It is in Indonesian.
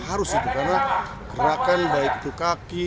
harus itu karena gerakan baik itu kaki